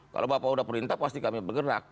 kalau bapak sudah perintah pasti kami bergerak